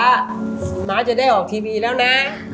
หนูน้าจะได้ออกทีวีแล้วนะ